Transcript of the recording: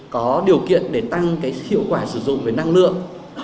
có điều kiện để tăng hiệu quả sử dụng về năng lượng